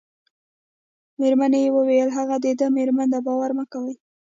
مېرمنې یې وویل: هغه د ده مېرمن ده، باور مه کوئ.